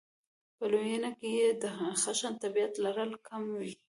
په لویېنه کې یې د خشن طبعیت لرل کم وي.